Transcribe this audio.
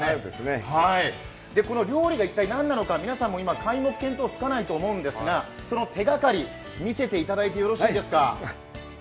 この料理が一体何なのか皆さんも皆目、見当がつかないと思うんですがその手がかり、見せていただいてよろしいですか。